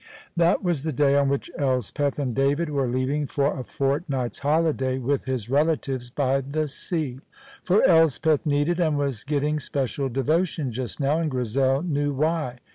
That was the day on which Elspeth and David were leaving for a fortnight's holiday with his relatives by the sea; for Elspeth needed and was getting special devotion just now, and Grizel knew why.